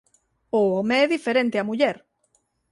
O home é diferente á muller.